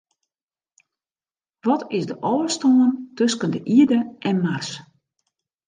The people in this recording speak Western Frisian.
Wat is de ôfstân tusken de Ierde en Mars?